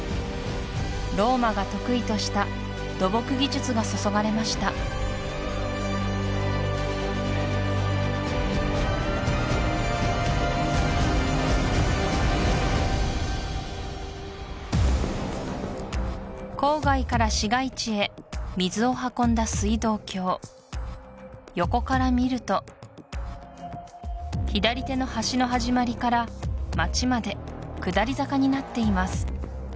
ローマが得意とした土木技術が注がれました郊外から市街地へ水を運んだ水道橋横から見ると左手の橋の始まりから街まで下り坂になっています